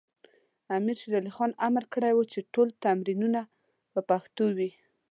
امیر شیر علی خان امر کړی و چې ټول تمرینونه په پښتو وي.